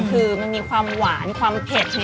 คือมันมีความหวานความเผ็ด